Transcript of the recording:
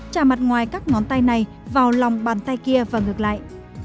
bốn trà mặt ngoài các ngón tay này vào lòng bàn tay kia và ngược lại